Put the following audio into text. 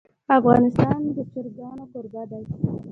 افغانستان د چرګان کوربه دی.